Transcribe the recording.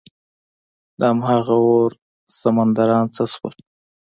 دهمغه اور سمندران څه شول؟